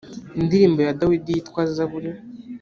indirimbo ya dawidi yitwa zaburi